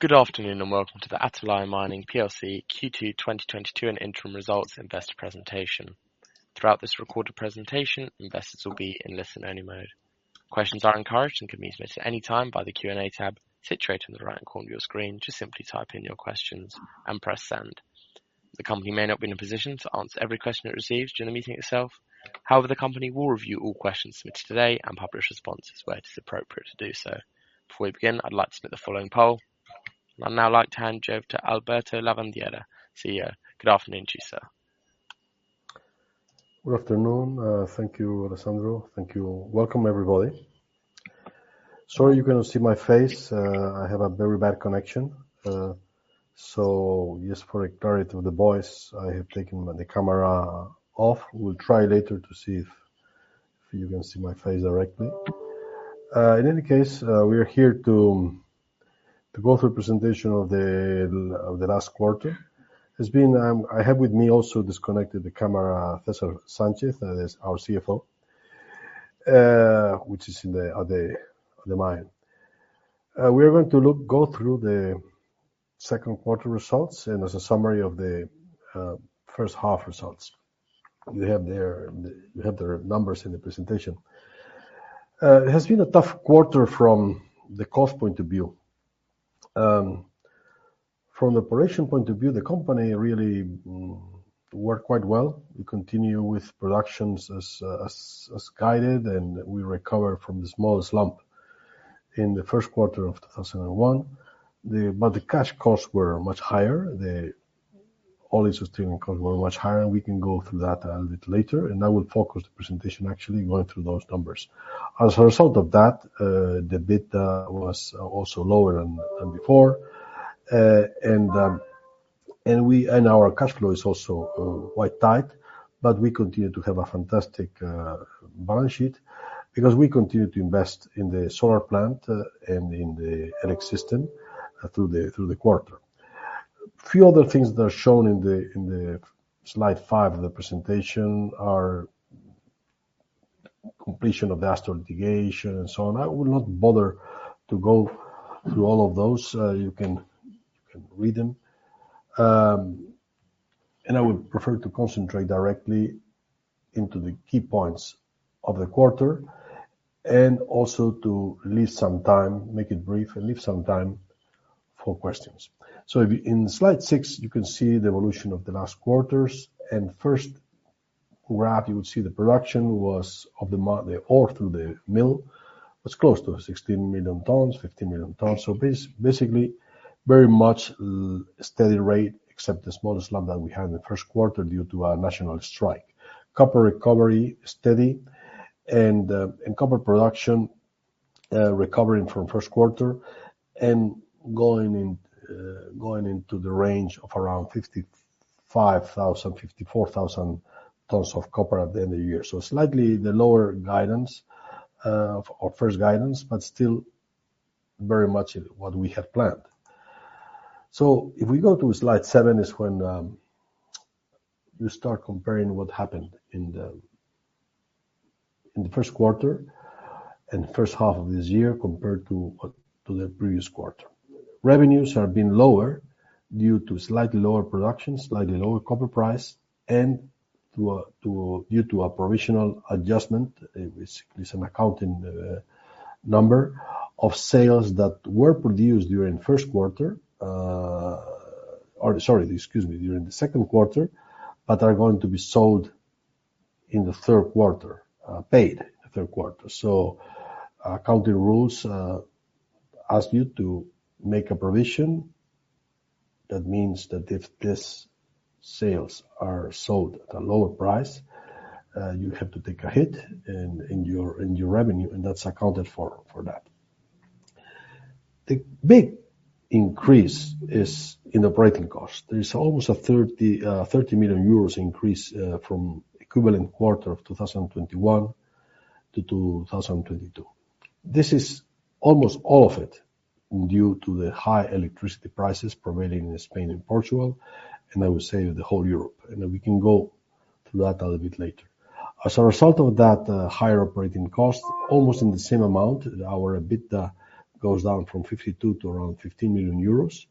Good afternoon, and welcome to the Atalaya Mining Plc Q2 2022 and interim results investor presentation. Throughout this recorded presentation, investors will be in listen-only mode. Questions are encouraged and can be submitted any time by the Q&A tab situated in the right corner of your screen. Just simply type in your questions and press Send. The company may not be in a position to answer every question it receives during the meeting itself. However, the company will review all questions submitted today and publish responses where it is appropriate to do so. Before we begin, I'd like to submit the following poll. I'd now like to hand you over to Alberto Lavandeira, Chief Executive Officer. Good afternoon to you, sir. Good afternoon. Thank you, Alessandro. Welcome, everybody. Sorry you cannot see my face. I have a very bad connection. So just for the clarity of the voice, I have taken the camera off. We'll try later to see if you can see my face directly. In any case, we are here to go through a presentation of the last quarter. I have with me also disconnected the camera, César Sánchez, that is our Chief Financial Officer, which is at the mine. We are going to go through the second quarter results and as a summary of the first half results. You have there the numbers in the presentation. It has been a tough quarter from the cost point of view. From the operation point of view, the company really worked quite well. We continue with productions as guided, and we recover from the small slump in the first quarter of 2001. The cash costs were much higher. The all-in sustaining costs were much higher, and we can go through that a little bit later. I will focus the presentation actually going through those numbers. As a result of that, the EBITDA was also lower than before. Our cash flow is also quite tight, but we continue to have a fantastic balance sheet because we continue to invest in the solar plant and in the E-LIX system through the quarter. A few other things that are shown in the slide five of the presentation are completion of the Astor litigation and so on. I will not bother to go through all of those. You can read them. I would prefer to concentrate directly into the key points of the quarter and also to leave some time, make it brief, and leave some time for questions. If in slide six, you can see the evolution of the last quarters. First graph, you will see the production was of the mine, the ore through the mill, was close to 16 million tons, 15 million tons. Basically very much steady rate except the small slump that we had in the first quarter due to a national strike. Copper recovery, steady. Copper production recovering from first quarter and going into the range of around 54,000 tons-55,000 tons of copper at the end of the year. Slightly lower guidance, our first guidance, but still very much what we had planned. If we go to slide seven, that's when you start comparing what happened in the first quarter and first half of this year compared to the previous quarter. Revenues have been lower due to slightly lower production, slightly lower copper price, and to a provisional adjustment, which is an accounting number of sales that were produced during the second quarter, but are going to be sold in the third quarter, paid third quarter. Accounting rules ask you to make a provision. That means that if these sales are sold at a lower price, you have to take a hit in your revenue, and that's accounted for that. The big increase is in operating cost. There is almost a 30 million euros increase from equivalent quarter of 2021-2022. This is almost all of it due to the high electricity prices prevailing in Spain and Portugal, and I would say the whole Europe. We can go through that a little bit later. As a result of that, higher operating cost, almost in the same amount, our EBITDA goes down from 52 million to around 15 million euros,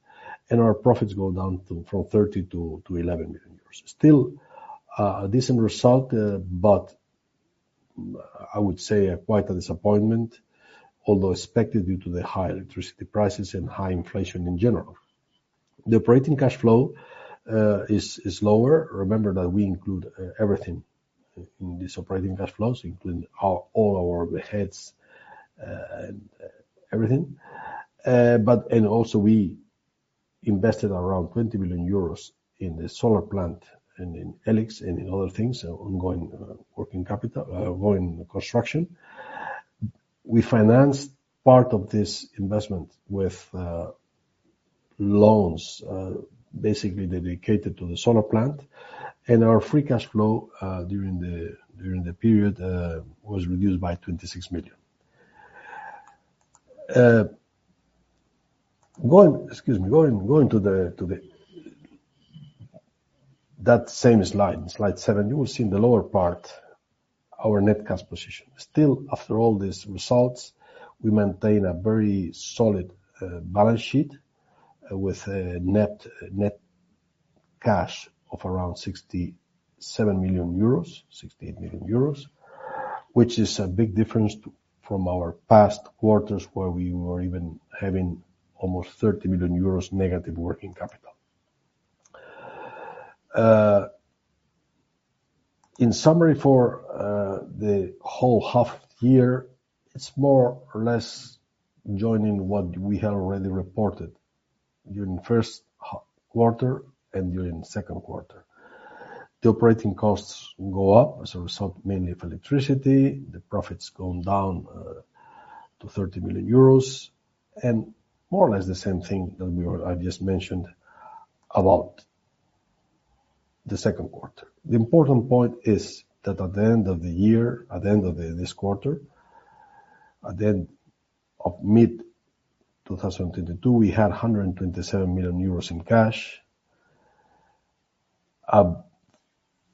and our profits go down from 30 million-11 million euros. Still a decent result, but I would say quite a disappointment, although expected due to the high electricity prices and high inflation in general. The operating cash flow is lower. Remember that we include everything in this operating cash flows, including all our overheads and everything. But also we invested around 20 million euros in the solar plant and in E-LIX and in other things, ongoing working capital, ongoing construction. We financed part of this investment with loans, basically dedicated to the solar plant. Our free cash flow during the period was reduced by 26 million. Going to the same slide seven, you will see in the lower part our net cash position. Still, after all these results, we maintain a very solid balance sheet with a net cash of around 67 million-68 million euros, which is a big difference from our past quarters where we were even having almost 30 million euros negative working capital. In summary for the whole half year, it's more or less joining what we had already reported during first quarter and during second quarter. The operating costs go up as a result, mainly of electricity. The profit's gone down to 30 million euros and more or less the same thing that I just mentioned about the second quarter. The important point is that at the end of the year, at the end of this quarter, at the end of mid-2022, we had 127 million euros in cash. A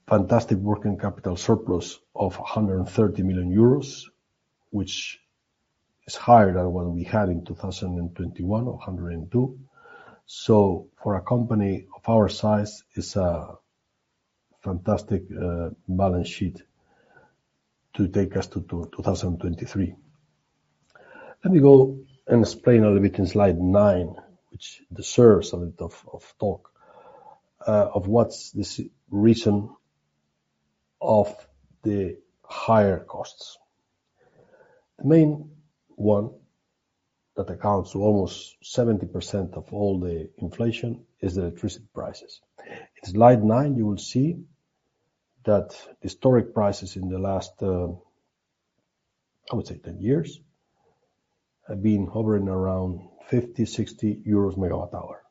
fantastic working capital surplus of 130 million euros, which is higher than what we had in 2021 or 102 million. For a company of our size, it's a fantastic balance sheet to take us to 2023. Let me go and explain a little bit in slide nine, which deserves a bit of talk of what's the reason of the higher costs. The main one that accounts for almost 70% of all the inflation is the electricity prices. In slide nine, you will see that historic prices in the last 10 years have been hovering around 50-60 euros megawatt-hour.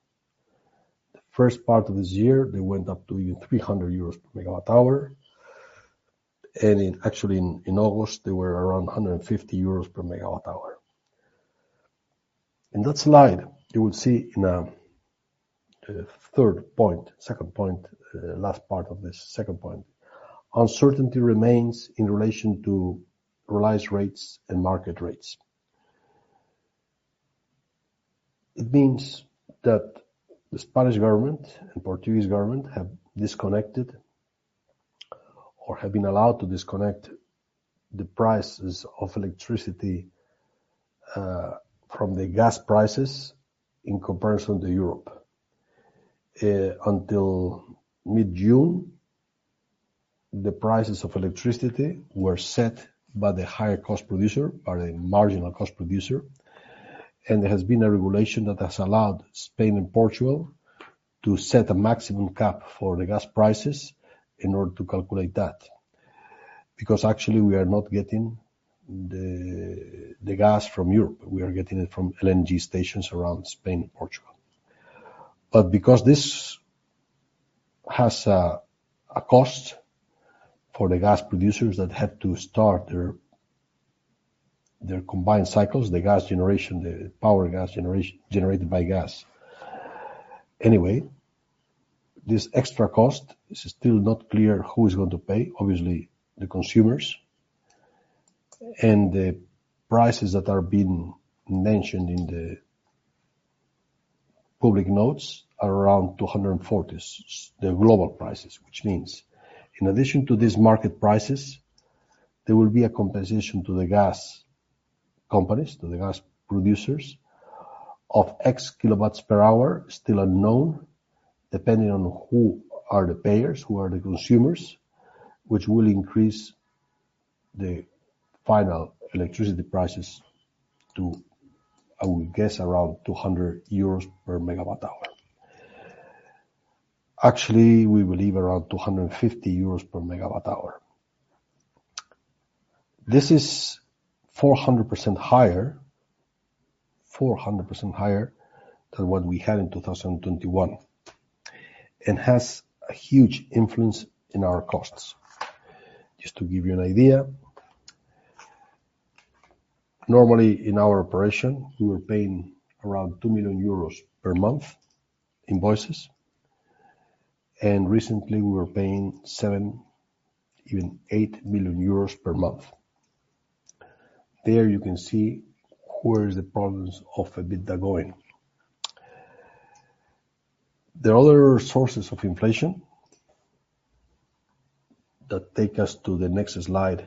The first part of this year, they went up to even 300 euros/MWh, and actually in August, they were around 150/MWh. In that slide, you will see in third point, second point, last part of this second point, uncertainty remains in relation to realized rates and market rates. It means that the Spanish government and Portuguese government have disconnected or have been allowed to disconnect the prices of electricity from the gas prices in comparison to Europe. Until mid-June, the prices of electricity were set by the higher cost producer or the marginal cost producer, and there has been a regulation that has allowed Spain and Portugal to set a maximum cap for the gas prices in order to calculate that. Because actually we are not getting the gas from Europe. We are getting it from LNG stations around Spain and Portugal. Because this has a cost for the gas producers that have to start their combined cycles, the gas generation, the power gas generation, generated by gas. Anyway, this extra cost is still not clear who is going to pay. Obviously, the consumers. The prices that are being mentioned in the public notes are around 240, the global prices. Which means in addition to these market prices, there will be a compensation to the gas companies, to the gas producers of X kilowatts per hour, still unknown, depending on who are the payers, who are the consumers, which will increase the final electricity prices to, I would guess, around 200 euros/MWh. Actually, we believe around 250 euros/MWh. This is 400% higher than what we had in 2021, and has a huge influence in our costs. Just to give you an idea. Normally, in our operation, we were paying around 2 million euros per month invoices, and recently we were paying 7 million, even 8 million euros per month. There you can see where is the problems of EBITDA going. There are other sources of inflation that take us to the next slide,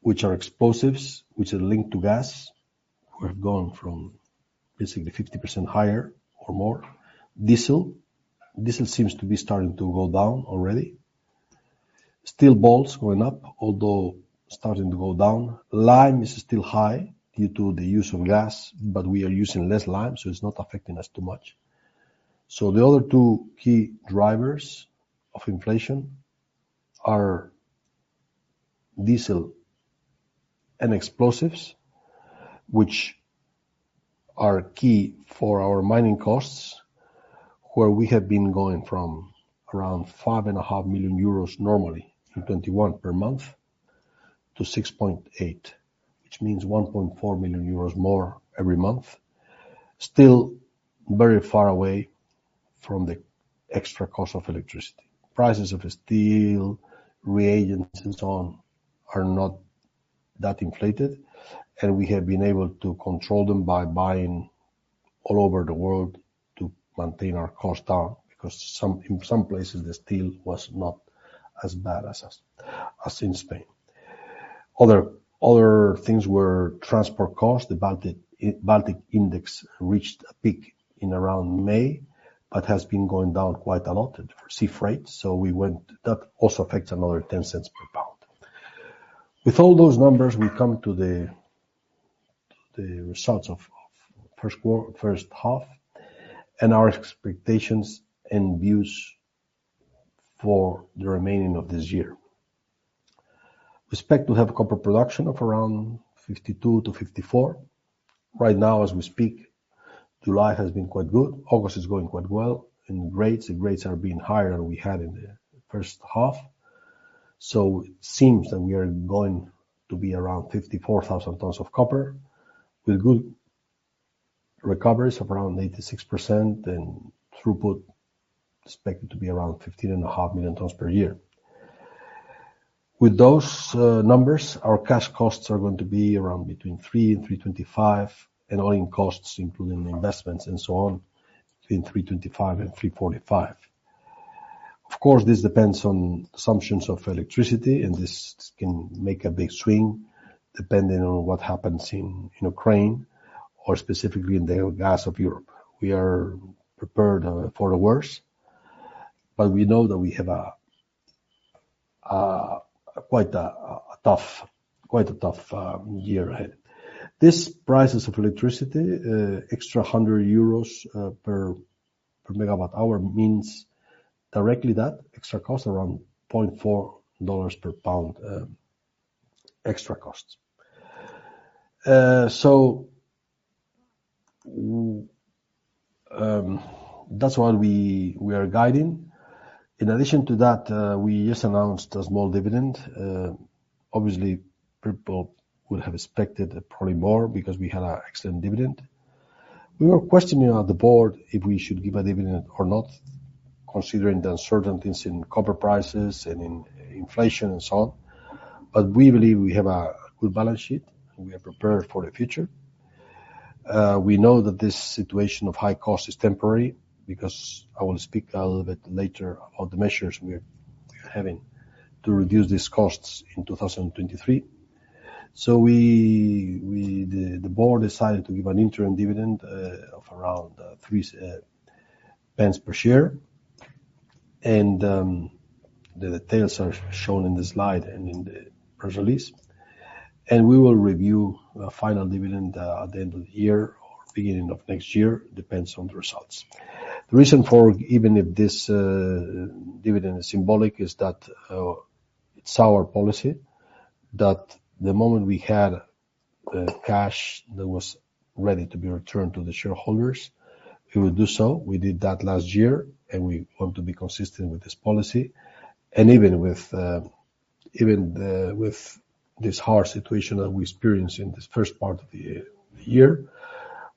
which are explosives, which are linked to gas, who have gone from basically 50% higher or more. Diesel. Diesel seems to be starting to go down already. Steel bolts going up, although starting to go down. Lime is still high due to the use of gas, but we are using less lime, so it's not affecting us too much. The other two key drivers of inflation are diesel and explosives, which are key for our mining costs, where we have been going from around 5.5 million euros normally in 2021 per month to 6.8 million, which means 1.4 million euros more every month. Still very far away from the extra cost of electricity. Prices of steel, reagents, and so on are not that inflated, and we have been able to control them by buying all over the world to maintain our costs down, because in some places the steel was not as bad as in Spain. Other things were transport costs. The Baltic Dry Index reached a peak in around May, but has been going down quite a lot for sea freight. We went. That also affects another $0.10 per pound. With all those numbers, we come to the results of first half and our expectations and views for the remaining of this year. We expect to have a copper production of around 52,000 tons-54,000 tons. Right now as we speak, July has been quite good, August is going quite well. Grades, the grades are being higher than we had in the first half. It seems that we are going to be around 54,000 tons of copper with good recoveries of around 86% and throughput expected to be around 15.5 million tons per year. With those numbers, our cash costs are going to be around between $3-$3.25, and all-in costs, including the investments and so on, between $3.25-$3.45. Of course, this depends on assumptions of electricity, and this can make a big swing depending on what happens in Ukraine or specifically in the gas in Europe. We are prepared for the worst, but we know that we have quite a tough year ahead. These prices of electricity, extra 100 euros/MWh means directly that extra cost around $0.4 per pound, extra costs. That's why we are guiding. In addition to that, we just announced a small dividend. Obviously, people would have expected probably more because we had an excellent dividend. We were questioning at the board if we should give a dividend or not, considering the uncertainties in copper prices and in inflation and so on. We believe we have a good balance sheet, and we are prepared for the future. We know that this situation of high cost is temporary because I will speak a little bit later on the measures we're having to reduce these costs in 2023. We, the board decided to give an interim dividend of around 3 pence per share. The details are shown in the slide and in the press release. We will review the final dividend at the end of the year or beginning of next year, depends on the results. The reason for even if this dividend is symbolic is that it's our policy that the moment we had cash that was ready to be returned to the shareholders, we will do so. We did that last year, and we want to be consistent with this policy. Even with this hard situation that we experienced in this first part of the year,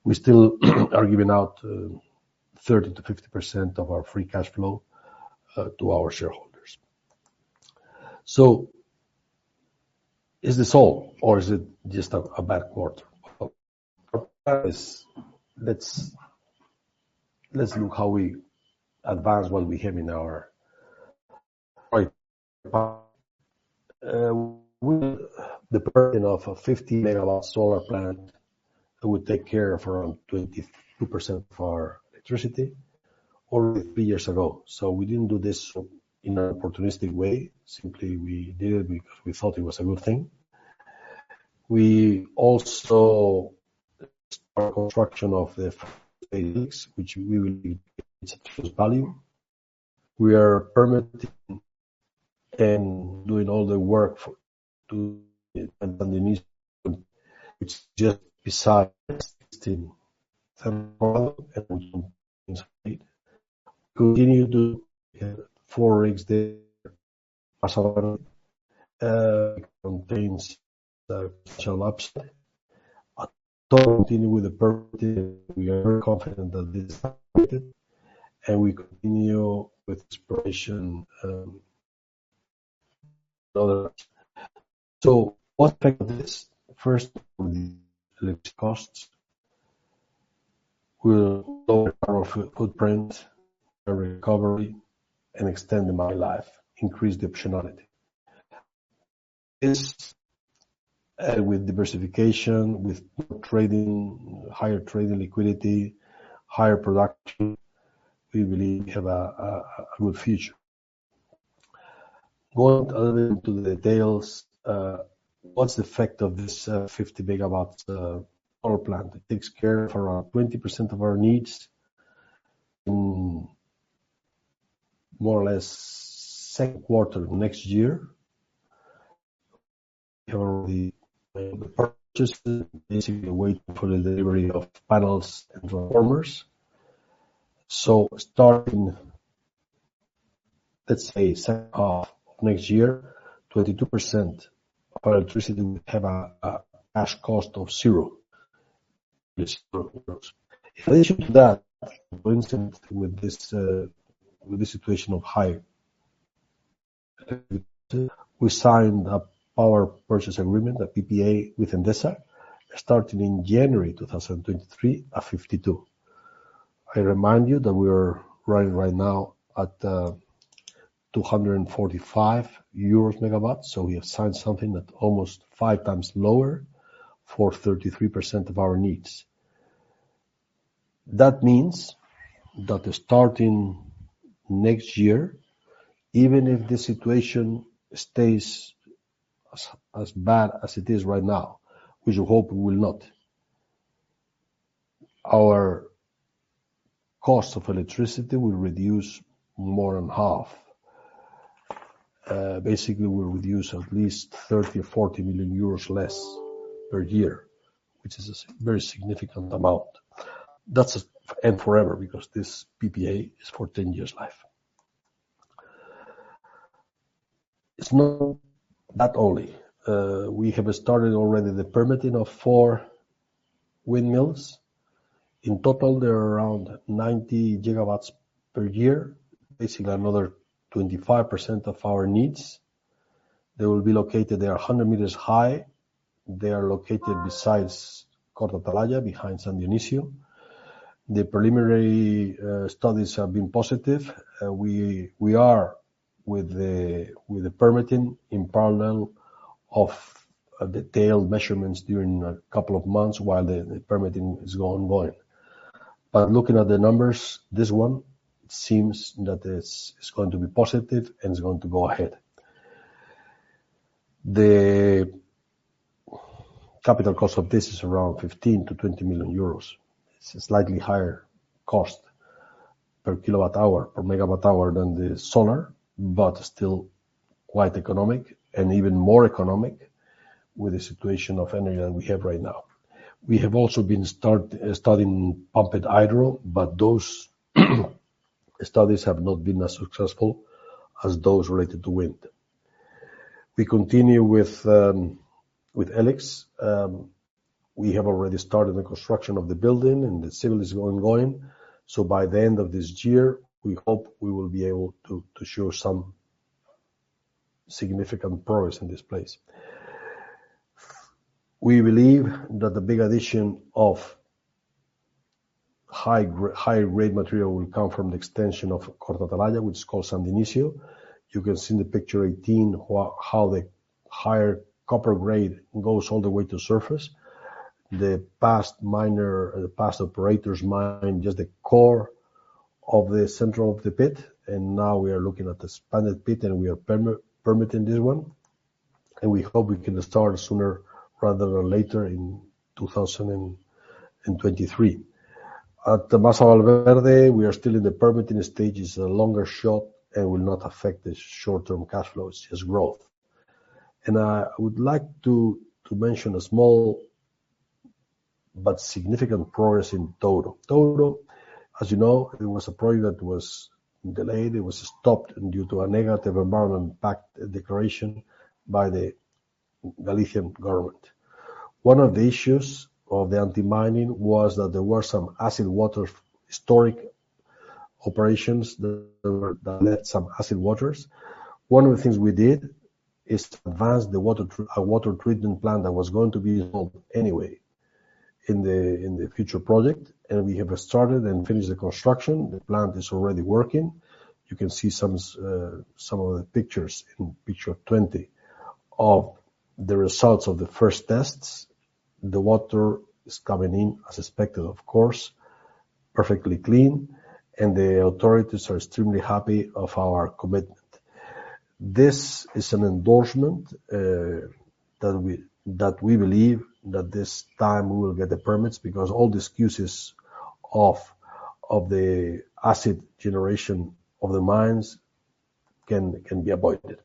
we still are giving out 30%-50% of our free cash flow to our shareholders. Is this all or is it just a bad quarter? Let's look how we advanced what we have in our pipe. The burden of a 50-MW solar plant that would take care of around 22% of our electricity already 3 years ago. We didn't do this in an opportunistic way. Simply, we did it because we thought it was a good thing. We also our construction of the Phoenix, which we will increase value. We are permitting and doing all the work for to. Underneath, which is just beside the team. Continue to get four rigs there. Contains, shall we say. Continue with the permitting. We are very confident that this. We continue with exploration. What's the effect of this? First, the electric costs. We'll lower our footprint, recovery and extend the mine life, increase the optionality. With diversification, with trading, higher trading liquidity, higher production, we believe we have a good future. Going further into the details, what's the effect of this, 50-MW power plant? It takes care of around 20% of our needs. In more or less second quarter next year. We have already made the purchases, basically waiting for the delivery of panels and transformers. Starting, let's say second half next year, 22% of our electricity will have a cash cost of zero. In addition to that, for instance, with this situation of high we signed a power purchase agreement, a PPA, with Endesa starting in January 2023 at 52/MWh. I remind you that we are running right now at 245 EUR/MWh. We have signed something at almost 5x lower for 33% of our needs. That means that starting next year, even if the situation stays as bad as it is right now, which we hope it will not, our cost of electricity will reduce more than half. Basically, we'll reduce at least 30 million or 40 million euros less per year, which is a very significant amount. That's. And forever, because this PPA is for 10 years life. It's not only that. We have started already the permitting of four windmills. In total, they are around 90 GW per year. Basically, another 25% of our needs. They will be located. They are 100 meters high. They are located beside Corta Atalaya, behind San Dionisio. The preliminary studies have been positive. We are with the permitting in parallel of detailed measurements during a couple of months while the permitting is ongoing. Looking at the numbers, this one seems that it's going to be positive and it's going to go ahead. The capital cost of this is around 15 million-20 million euros. It's a slightly higher cost per kilowatt hour, per megawatt hour than the solar, but still quite economic and even more economic with the situation of energy that we have right now. We have also been studying pumped hydro, but those studies have not been as successful as those related to wind. We continue with E-LIX. We have already started the construction of the building and the civil is ongoing. By the end of this year, we hope we will be able to show some significant progress in this place. We believe that the big addition of high-grade material will come from the extension of Corta Atalaya, which is called San Dionisio. You can see in the picture 18 how the higher copper grade goes all the way to surface. The past operators mined just the core of the center of the pit, and now we are looking at the expanded pit, and we are permitting this one. We hope we can start sooner rather than later in 2023. At Masa Valverde, we are still in the permitting stages, a longer shot, and will not affect the short-term cash flows, just growth. I would like to mention a small but significant progress in Toro. Toro, as you know, it was a project that was delayed. It was stopped due to a negative environmental impact declaration by the Galician government. One of the issues of the anti-mining was that there were some acid water, historic operations that led some acid waters. One of the things we did is to advance a water treatment plant that was going to be involved anyway in the future project. We have started and finished the construction. The plant is already working. You can see some of the pictures in picture 20 of the results of the first tests. The water is coming in as expected, of course, perfectly clean, and the authorities are extremely happy of our commitment. This is an endorsement that we believe that this time we will get the permits because all the excuses of the acid generation of the mines can be avoided.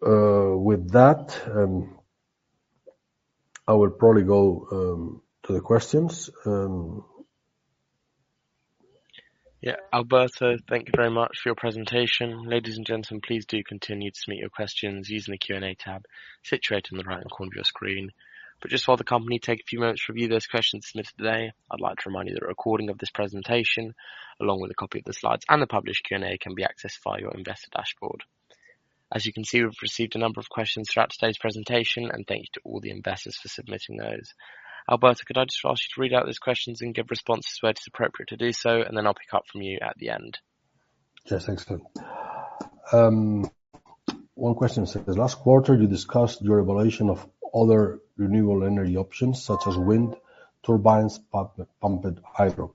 With that, I will probably go to the questions. Yeah. Alberto, thank you very much for your presentation. Ladies and gentlemen, please do continue to submit your questions using the Q&A tab situated in the right-hand corner of your screen. Just while the company take a few moments to review those questions submitted today, I'd like to remind you that a recording of this presentation, along with a copy of the slides and the published Q&A, can be accessed via your investor dashboard. As you can see, we've received a number of questions throughout today's presentation, and thank you to all the investors for submitting those. Alberto, could I just ask you to read out those questions and give responses where it is appropriate to do so, and then I'll pick up from you at the end. Yes. Excellent. One question says, last quarter, you discussed your evaluation of other renewable energy options such as wind turbines, pumped hydro.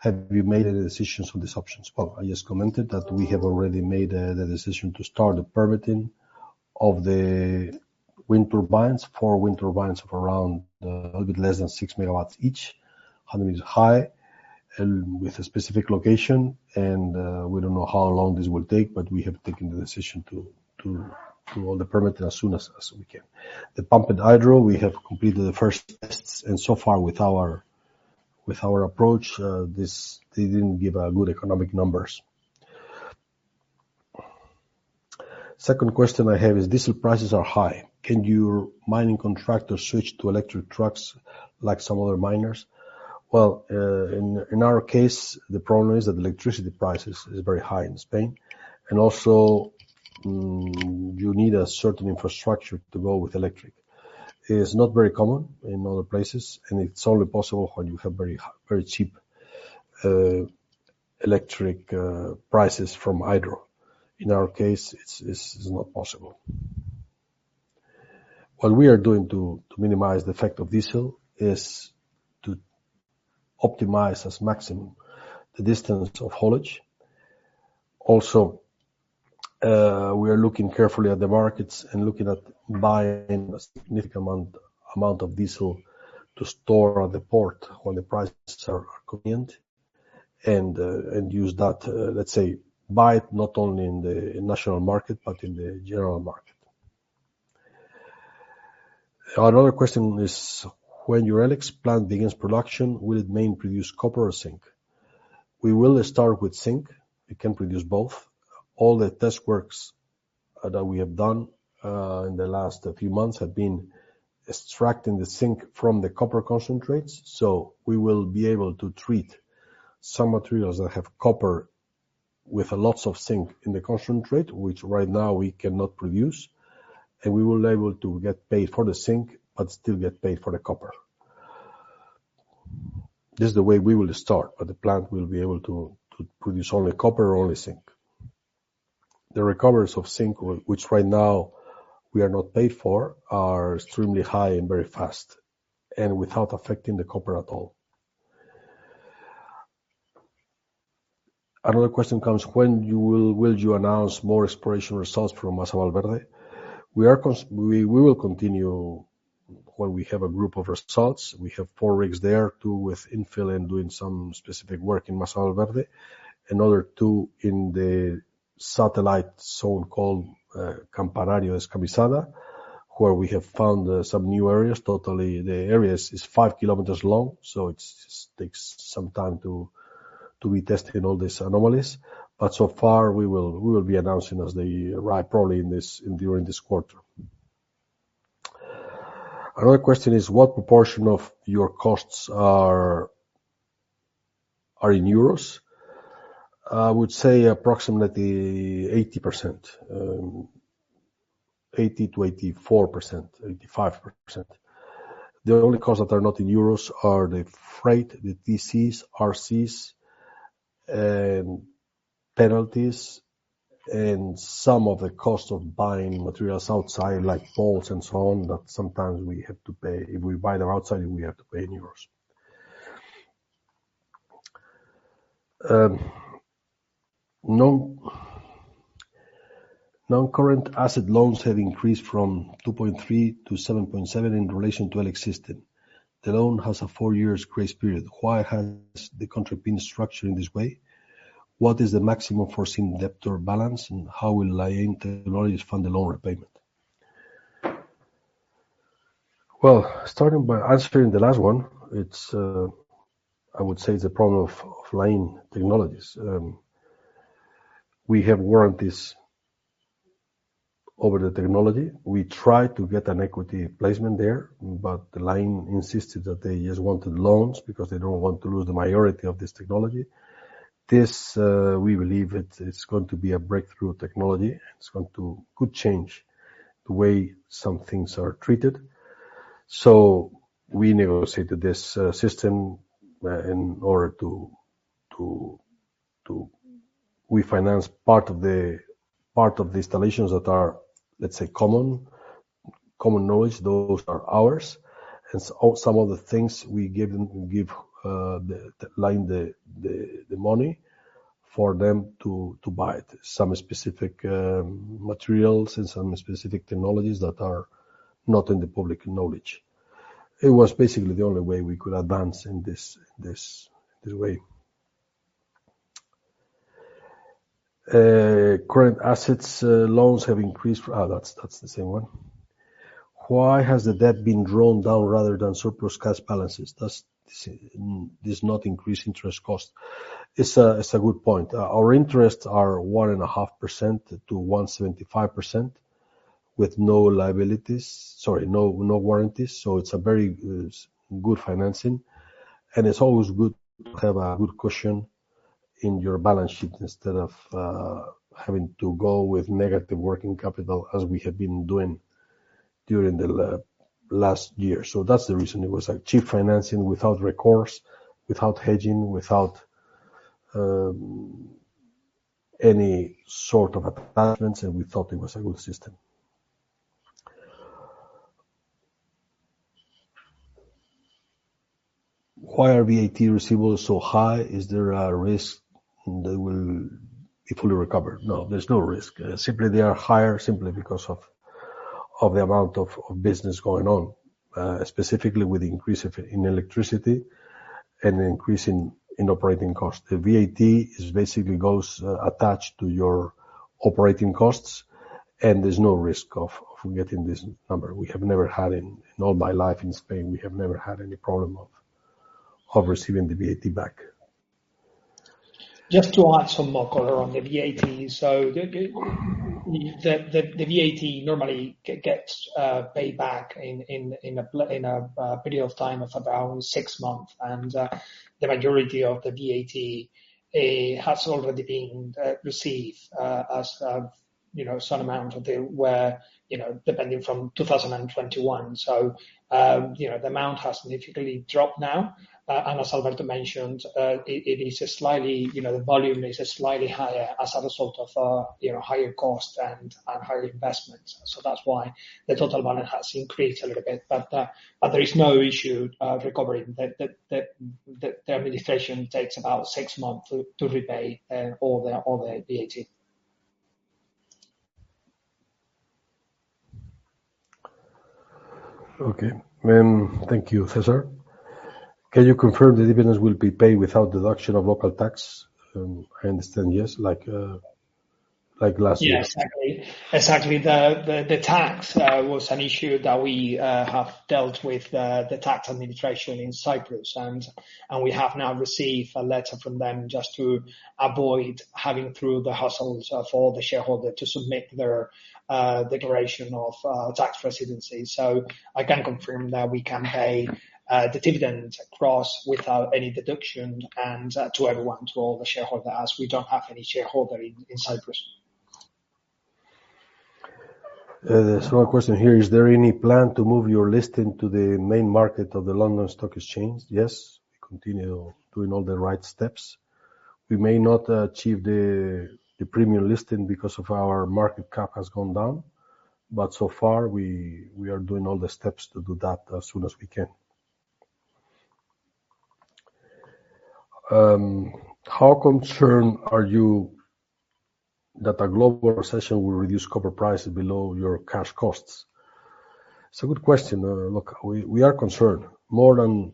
Have you made any decisions on these options? Well, I just commented that we have already made the decision to start the permitting of the wind turbines, four wind turbines of around a little bit less than 6 MW each, 100 meters high and with a specific location. We don't know how long this will take, but we have taken the decision to do all the permitting as soon as we can. The pumped hydro, we have completed the first tests, and so far with our approach, this didn't give good economic numbers. Second question I have is diesel prices are high. Can your mining contractors switch to electric trucks like some other miners? Well, in our case, the problem is that electricity prices is very high in Spain, and also, you need a certain infrastructure to go with electric. It's not very common in other places, and it's only possible when you have very cheap electric prices from hydro. In our case, it's not possible. What we are doing to minimize the effect of diesel is to optimize as maximum the distance of haulage. Also, we are looking carefully at the markets and looking at buying a significant amount of diesel to store at the port when the prices are convenient and use that. Let's say, buy it not only in the national market but in the general market. Another question is: When your Elix plant begins production, will it mainly produce copper or zinc? We will start with zinc. It can produce both. All the test works that we have done in the last few months have been extracting the zinc from the copper concentrates. We will be able to treat some materials that have copper with lots of zinc in the concentrate, which right now we cannot produce, and we will be able to get paid for the zinc but still get paid for the copper. This is the way we will start, but the plant will be able to produce only copper or only zinc. The recoveries of zinc, which right now we are not paid for, are extremely high and very fast and without affecting the copper at all. Another question comes: When will you announce more exploration results from Masa Valverde? We will continue when we have a group of results. We have four rigs there, two with infill and doing some specific work in Masa Valverde. Another two in the satellite zone called Campanario Trend, where we have found some new areas. Totally, the area is five kilometers long, so it takes some time to be testing all these anomalies. So far, we will be announcing as they arrive, probably during this quarter. Another question is what proportion of your costs are in euros? I would say approximately 80%. 80%-84%, 85%. The only costs that are not in euros are the freight, the TCs, RCs, penalties, and some of the cost of buying materials outside, like poles and so on, that sometimes we have to pay. If we buy them outside, we have to pay in euros. Non-current asset loans have increased from 2.3-7.7 in relation to E-LIX system. The loan has a four-year grace period. Why has the contract been structured in this way? What is the maximum foreseen debt or balance, and how will Lain Technologies fund the loan repayment? Well, starting by answering the last one, it's a problem of Lain Technologies. We have warranties over the technology. We try to get an equity placement there, but Lain insisted that they just wanted loans because they don't want to lose the majority of this technology. This, we believe it's going to be a breakthrough technology. It's going to could change the way some things are treated. So we negotiated this system in order to. We finance part of the installations that are, let's say, common knowledge. Those are ours. Some of the things we give them the Lain the money for them to buy some specific materials and some specific technologies that are not in the public knowledge. It was basically the only way we could advance in this way. Current assets, loans have increased. That's the same one. Why has the debt been drawn down rather than surplus cash balances? Does this not increase interest cost? It's a good point. Our interest rates are 1.5%-1.75% with no liabilities. Sorry, no warranties. It's a very good financing. It's always good to have a good cushion in your balance sheet instead of having to go with negative working capital as we have been doing during the last year. That's the reason. It was a cheap financing without recourse, without hedging, without any sort of attachments, and we thought it was a good system. Why are VAT receivables so high? Is there a risk they will be fully recovered? No, there's no risk. Simply, they are higher simply because of the amount of business going on, specifically with the increase in electricity. An increase in operating costs. The VAT is basically goes attached to your operating costs, and there's no risk of getting this number. We have never had in all my life in Spain, we have never had any problem of receiving the VAT back. Just to add some more color on the VAT. The VAT normally gets paid back in a period of time of around six months. The majority of the VAT has already been received, as you know, some amount of it dating from 2021. The amount has significantly dropped now. As Alberto mentioned, it is slightly, you know, the volume is slightly higher as a result of higher costs and higher investments. That's why the total amount has increased a little bit. There is no issue of recovering. The administration takes about six months to repay all the VAT. Okay. Thank you, César. Can you confirm the dividends will be paid without deduction of local tax? I understand yes, like last year. Yeah, exactly. The tax was an issue that we have dealt with the tax administration in Cyprus and we have now received a letter from them just to avoid having to go through the hassles of all the shareholders to submit their declaration of tax residency. I can confirm that we can pay the dividends across without any deduction and to everyone, to all the shareholders, as we don't have any shareholder in Cyprus. A question here. Is there any plan to move your listing to the main market of the London Stock Exchange? Yes. We continue doing all the right steps. We may not achieve the premium listing because of our market cap has gone down, but so far we are doing all the steps to do that as soon as we can. How concerned are you that a global recession will reduce copper prices below your cash costs? It's a good question. Look, we are concerned. More than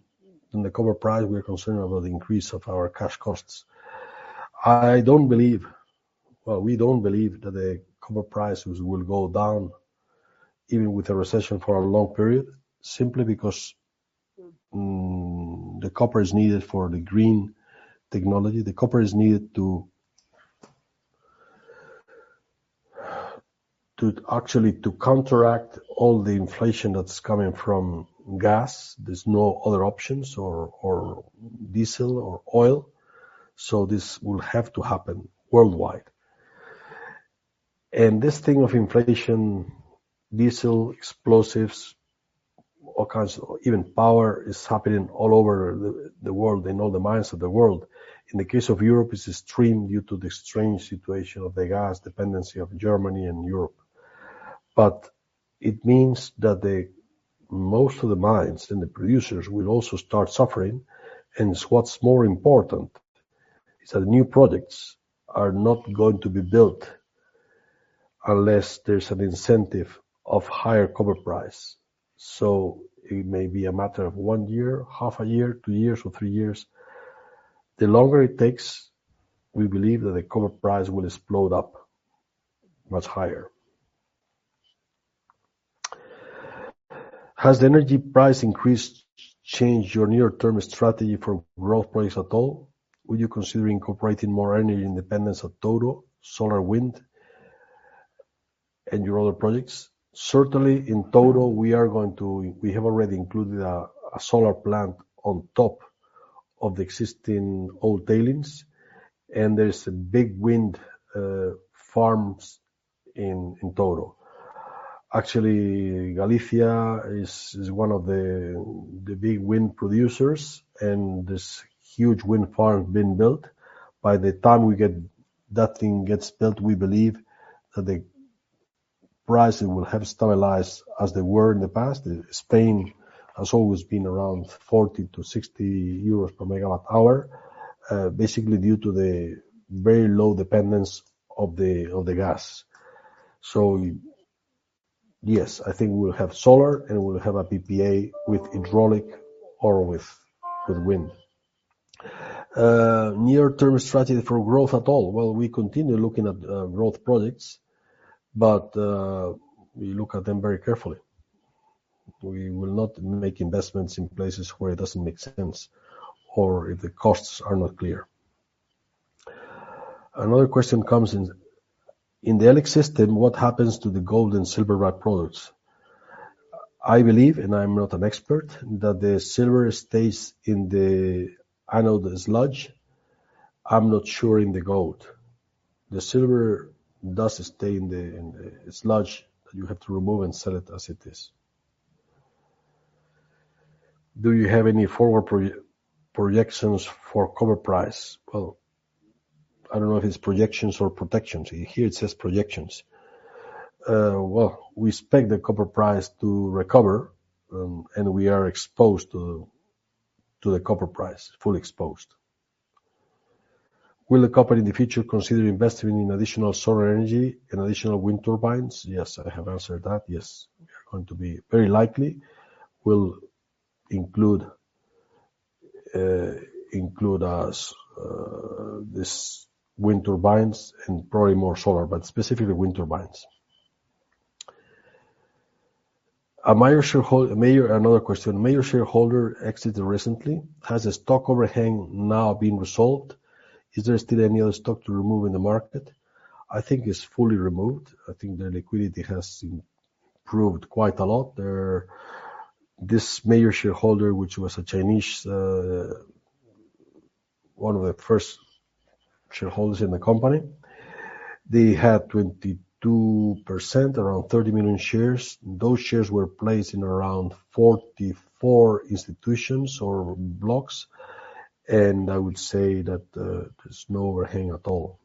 the copper price, we are concerned about the increase of our cash costs. Well, we don't believe that the copper prices will go down even with a recession for a long period, simply because the copper is needed for the green technology. The copper is needed to actually counteract all the inflation that's coming from gas. There's no other options or diesel or oil. This will have to happen worldwide. This thing of inflation, diesel, explosives, all kinds. Even power is happening all over the world, in all the mines of the world. In the case of Europe, it's extreme due to the extreme situation of the gas dependency of Germany and Europe. It means that the most of the mines and the producers will also start suffering. What's more important is that new products are not going to be built unless there's an incentive of higher copper price. It may be a matter of one year, half a year, two years, or three years. The longer it takes, we believe that the copper price will explode up much higher. Has the energy price increase changed your near-term strategy for growth projects at all? Will you consider incorporating more energy independence at Toro, solar, wind, and your other projects? Certainly, in Toro, we have already included a solar plant on top of the existing old tailings, and there's big wind farms in Toro. Actually, Galicia is one of the big wind producers, and this huge wind farm being built. By the time that thing gets built, we believe that the pricing will have stabilized as they were in the past. Spain has always been around 40/MWh-60 euros/MWh, basically due to the very low dependence of the gas. Yes, I think we'll have solar, and we'll have a PPA with hydraulic or with wind. Near-term strategy for growth at all. Well, we continue looking at growth projects, but we look at them very carefully. We will not make investments in places where it doesn't make sense or if the costs are not clear. Another question comes in. In the E-LIX System, what happens to the gold and silver by-products? I believe, and I'm not an expert, that the silver stays in the anode sludge. I'm not sure in the gold. The silver does stay in the sludge. You have to remove and sell it as it is. Do you have any forward projections for copper price? Well, I don't know if it's projections or protections. Here it says projections. Well, we expect the copper price to recover, and we are exposed to the copper price, fully exposed. Will the company in the future consider investing in additional solar energy and additional wind turbines? Yes, I have answered that. Yes. We are going to be very likely will include as this wind turbines and probably more solar, but specifically wind turbines. Another question. Major shareholder exited recently. Has the stock overhang now been resolved? Is there still any other stock to remove in the market? I think it's fully removed. I think the liquidity has improved quite a lot. This major shareholder, which was a Chinese one of the first shareholders in the company, they had 22%, around 30 million shares. Those shares were placed in around 44 institutions or blocks. I would say that there's no overhang at all.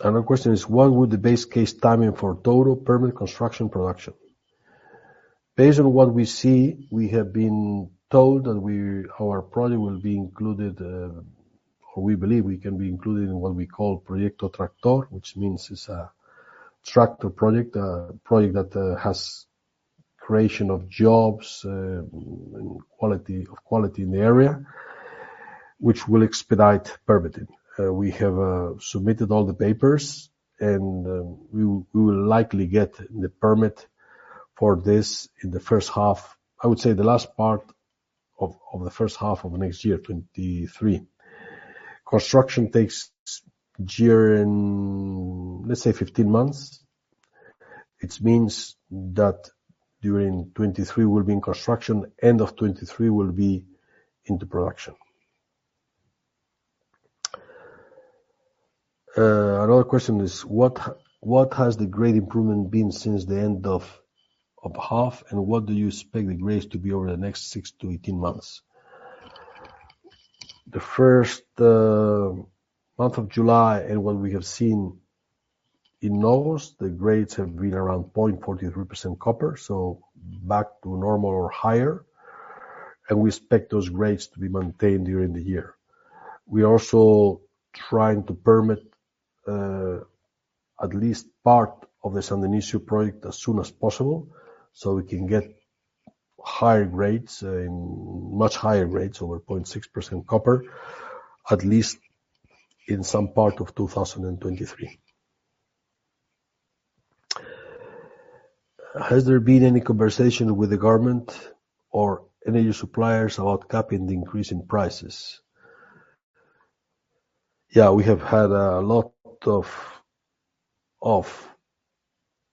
Another question is, what would the base case timing for total permanent construction production? Based on what we see, we have been told that our project will be included, or we believe we can be included in what we call Proyecto Tractor, which means it's a tractor project. A project that has creation of jobs and quality in the area, which will expedite permitting. We have submitted all the papers, and we will likely get the permit for this in the first half. I would say the last part of the first half of next year, 2023. Construction takes during, let's say, 15 months. It means that during 2023, we'll be in construction. End of 2023 we'll be into production. Another question is: What has the grade improvement been since the end of half, and what do you expect the grades to be over the next six months to 18 months? The first month of July and what we have seen in August, the grades have been around 0.43% copper, so back to normal or higher. We expect those grades to be maintained during the year. We're also trying to permit at least part of the San Dionisio project as soon as possible, so we can get higher grades and much higher grades over 0.6% copper, at least in some part of 2023. Has there been any conversation with the government or energy suppliers about capping the increase in prices? Yeah, we have had a lot of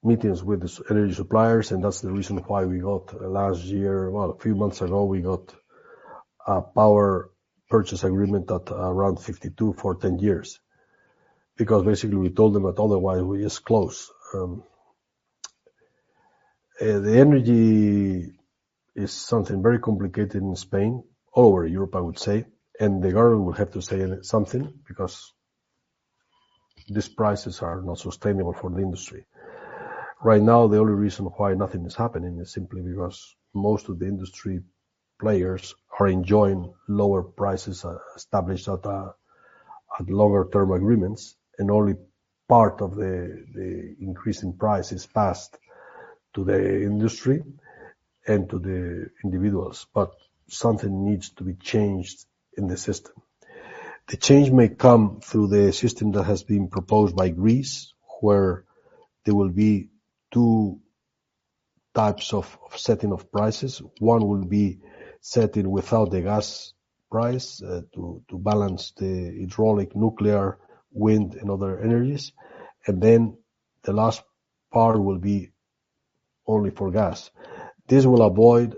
meetings with these energy suppliers, and that's the reason why a few months ago, we got a power purchase agreement at around 52 million for 10 years. Because basically we told them that otherwise we just close. The energy is something very complicated in Spain. All over Europe, I would say. The government will have to say something because these prices are not sustainable for the industry. Right now, the only reason why nothing is happening is simply because most of the industry players are enjoying lower prices established at longer-term agreements. Only part of the increase in price is passed to the industry and to the individuals. Something needs to be changed in the system. The change may come through the system that has been proposed by Greece, where there will be two types of setting of prices. One will be setting without the gas price to balance the hydraulic, nuclear, wind, and other energies. Then the last part will be only for gas. This will avoid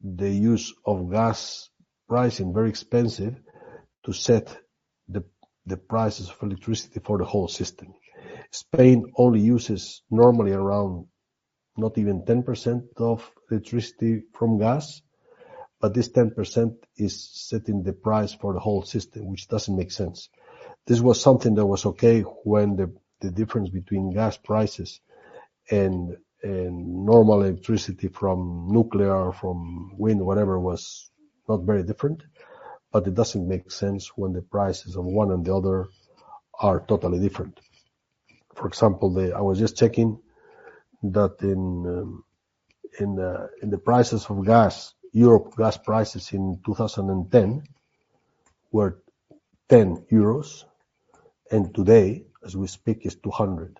the use of gas pricing, very expensive to set the prices for electricity for the whole system. Spain only uses normally around not even 10% of electricity from gas, but this 10% is setting the price for the whole system, which doesn't make sense. This was something that was okay when the difference between gas prices and normal electricity from nuclear, from wind, whatever, was not very different. It doesn't make sense when the prices of one and the other are totally different. For example, I was just checking that in the prices of gas. Europe gas prices in 2010 were 10 euros, and today, as we speak, it's 200.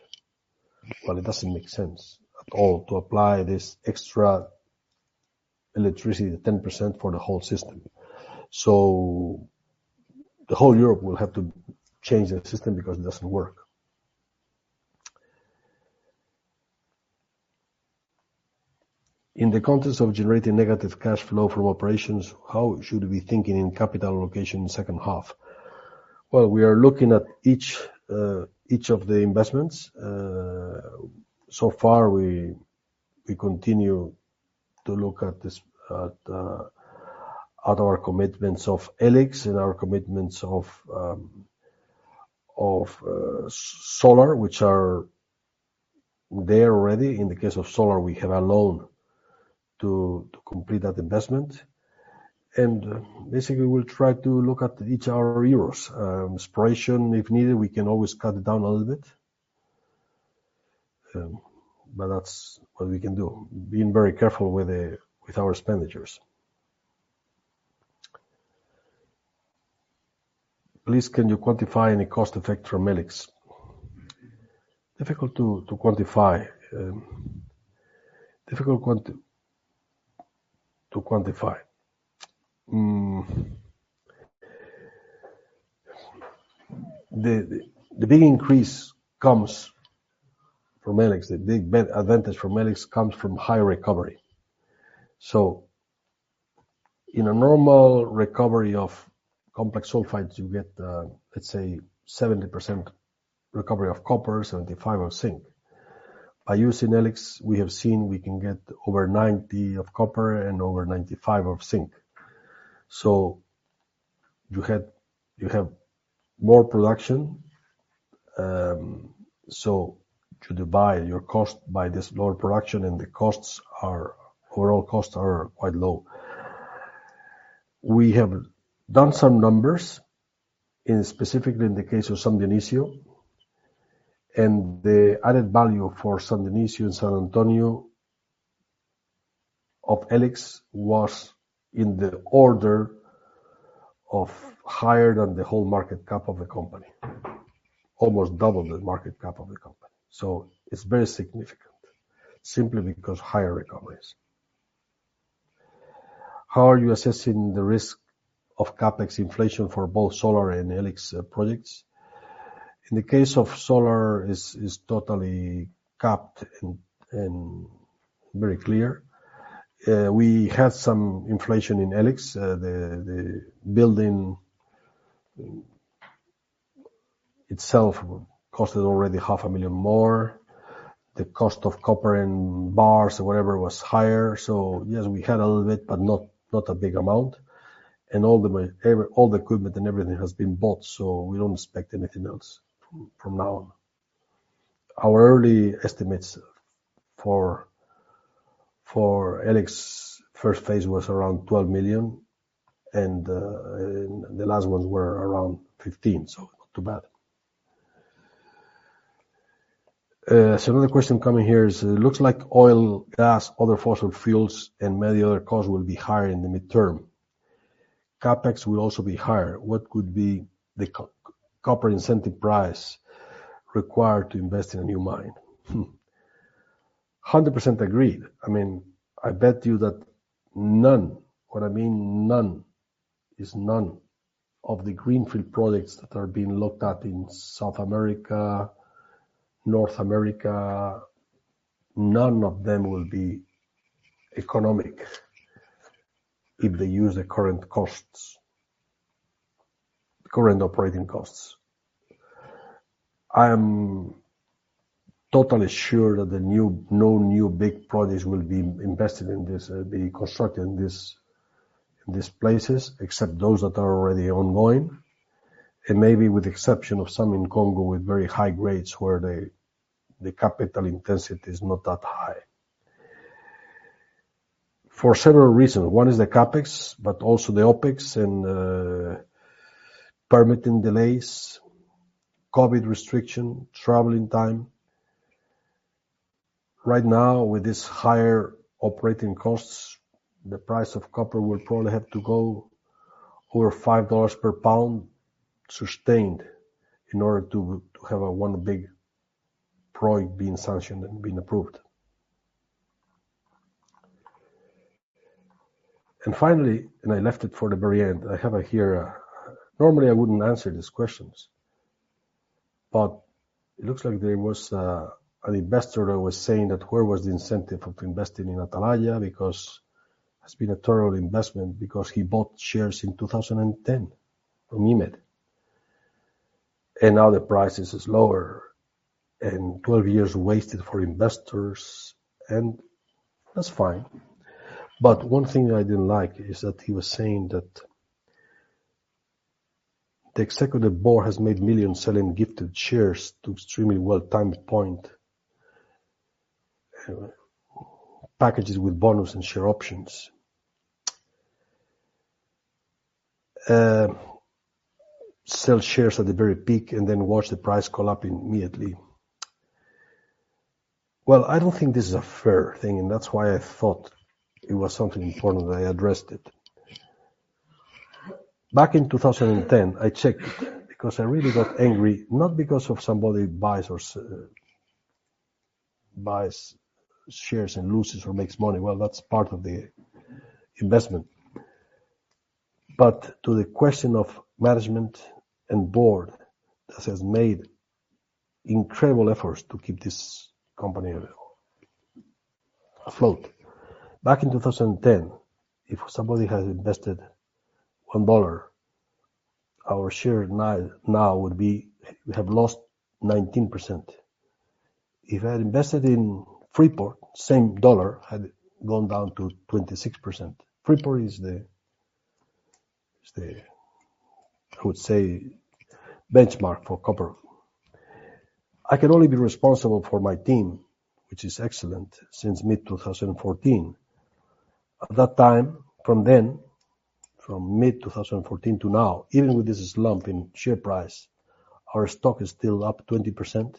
Well, it doesn't make sense at all to apply this extra electricity, the 10%, for the whole system. The whole Europe will have to change the system because it doesn't work. In the context of generating negative cash flow from operations, how should we be thinking in capital allocation in second half? Well, we are looking at each of the investments. So far, we continue to look at this at our commitments of E-LIX and our commitments of solar, which are there already. In the case of solar, we have a loan to complete that investment, and basically, we'll try to look at each of our euros. In addition if needed, we can always cut it down a little bit. That's what we can do, being very careful with our expenditures. Please, can you quantify any cost effect from E-LIX? Difficult to quantify. The big increase comes from E-LIX. The big advantage from E-LIX comes from high recovery. In a normal recovery of complex sulfides, you get, let's say 70% recovery of copper, 75% of zinc. By using E-LIX, we have seen we can get over 90% of copper and over 95% of zinc. You have more production. To divide your cost by this lower production and overall costs are quite low. We have done some numbers specifically in the case of San Dionisio, and the added value for San Dionisio and San Antonio of E-LIX was in the order of higher than the whole market cap of the company. Almost double the market cap of the company. It's very significant simply because higher recoveries. How are you assessing the risk of CapEx inflation for both solar and E-LIX projects? In the case of solar is totally capped and very clear. We had some inflation in E-LIX. The building itself costed already EUR half a million more. The cost of copper and bars or whatever was higher. Yes, we had a little bit, but not a big amount. All the equipment and everything has been bought, so we don't expect anything else from now on. Our early estimates for E-LIX first phase was around 12 million, and the last ones were around 15 million, so not too bad. Another question coming here is, it looks like oil, gas, other fossil fuels, and many other costs will be higher in the midterm. CapEx will also be higher. What could be the copper incentive price required to invest in a new mine? 100% agreed. I mean, I bet you that none of the greenfield projects that are being looked at in South America, North America, none of them will be economic if they use the current costs. Current operating costs. I am totally sure that no new big projects will be invested in this, be constructed in these places, except those that are already ongoing. Maybe with the exception of some in Congo with very high grades where the capital intensity is not that high. For several reasons. One is the CapEx, but also the OpEx and permitting delays, COVID restriction, traveling time. Right now, with these higher operating costs, the price of copper will probably have to go over $5 per pound sustained in order to have one big project being sanctioned and being approved. Finally, and I left it for the very end. I have it here. Normally, I wouldn't answer these questions, but it looks like there was an investor that was saying that where was the incentive of investing in Atalaya because it's been a terrible investment because he bought shares in 2010 from EMED, and now the price is lower and 12 years wasted for investors. That's fine. One thing I didn't like is that he was saying that the executive board has made millions selling gifted shares to extremely well-timed point. Packages with bonus and share options. Sell shares at the very peak and then watch the price collapse immediately. Well, I don't think this is a fair thing, and that's why I thought it was something important, and I addressed it. Back in 2010, I checked because I really got angry, not because of somebody buys shares and loses or makes money. Well, that's part of the investment. To the question of management and board that has made incredible efforts to keep this company afloat. Back in 2010, if somebody had invested $1, our share now would be we have lost 19%. If I had invested in Freeport-McMoRan, same dollar had gone down to 26%. Freeport-McMoRan is the, I would say, benchmark for copper. I can only be responsible for my team, which is excellent since mid-2014. At that time, from mid-2014 to now, even with this slump in share price, our stock is still up 20%,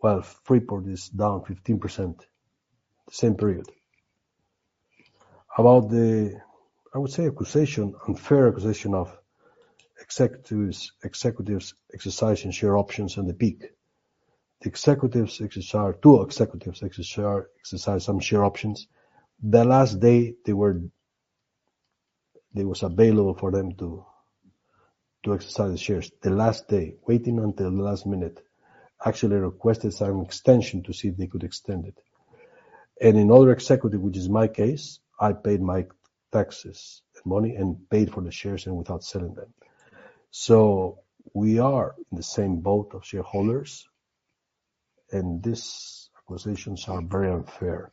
while Freeport-McMoRan is down 15% the same period. About the, I would say, unfair accusation of executives exercising share options on the peak. Two executives exercised some share options. The last day it was available for them to exercise shares. The last day, waiting until the last minute, actually requested some extension to see if they could extend it. Another executive, which is my case, I paid my taxes and money and paid for the shares without selling them. We are in the same boat of shareholders, and these accusations are very unfair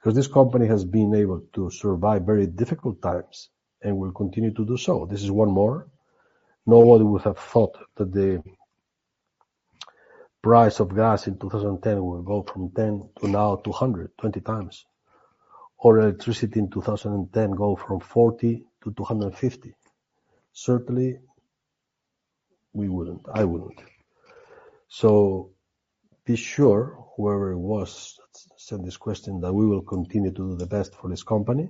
because this company has been able to survive very difficult times and will continue to do so. This is one more. Nobody would have thought that the price of gas in 2010 would go from 10 to now 200, 20x. Electricity in 2010 go from 40-250. Certainly, we wouldn't. I wouldn't. Be sure, whoever it was that sent this question, that we will continue to do the best for this company.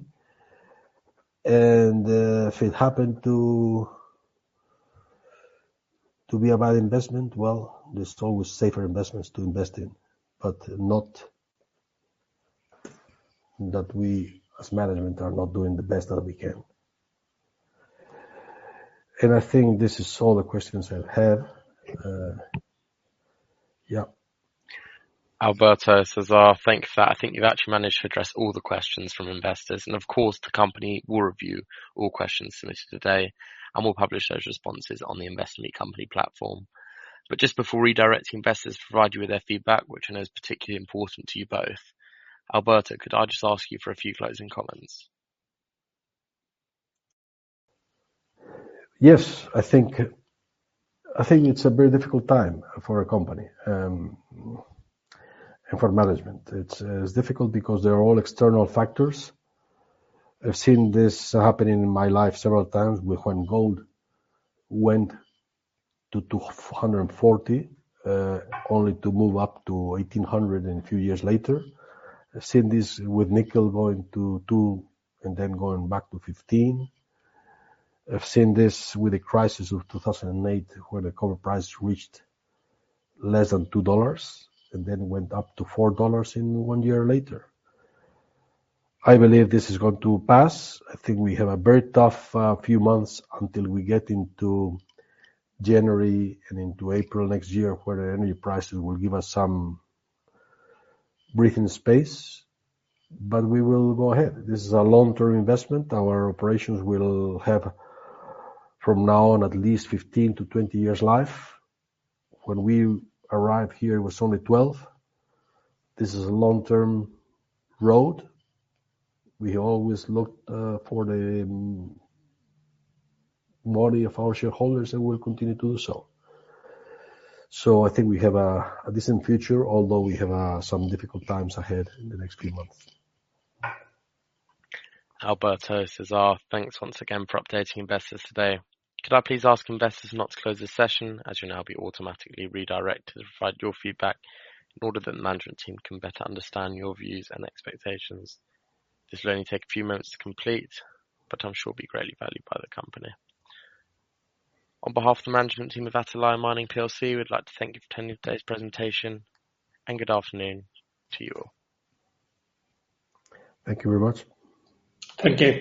If it happened to be a bad investment, well, there's always safer investments to invest in, but not that we as management are not doing the best that we can. I think this is all the questions I have. Yeah. Alberto, César, thanks for that. I think you've actually managed to address all the questions from investors. Of course, the company will review all questions submitted today, and we'll publish those responses on the Investor Meet Company platform. Just before redirecting investors to provide you with their feedback, which I know is particularly important to you both, Alberto, could I just ask you for a few closing comments? Yes. I think it's a very difficult time for our company and for management. It's difficult because they're all external factors. I've seen this happening in my life several times when gold went to 240 only to move up to 1,800 a few years later. I've seen this with nickel going to 2 and then going back to 15. I've seen this with the crisis of 2008 when the copper price reached less than $2 and then went up to $4 in one year later. I believe this is going to pass. I think we have a very tough few months until we get into January and into April next year, where the energy prices will give us some breathing space, but we will go ahead. This is a long-term investment. Our operations will have, from now on, at least 15 years-20 years life. When we arrived here, it was only 12 years. This is a long-term road. We always look for the money of our shareholders, and we'll continue to do so. I think we have a decent future, although we have some difficult times ahead in the next few months. Alberto, César, thanks once again for updating investors today. Could I please ask investors not to close this session, as you'll now be automatically redirected to provide your feedback in order that the management team can better understand your views and expectations. This will only take a few minutes to complete, but I'm sure it'll be greatly valued by the company. On behalf of the management team of Atalaya Mining PLC, we'd like to thank you for attending today's presentation, and good afternoon to you all. Thank you very much. Thank you.